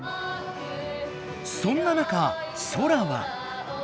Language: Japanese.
そんな中ソラは。